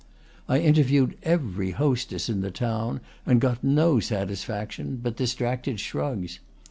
I interviewed every hostess in the town, and got no satisfaction but distracted shrugs.